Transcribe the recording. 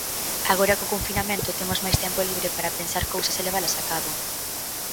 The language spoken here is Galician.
Agora co confinamento temos máis tempo libre para pensar cousas e levalas a cabo.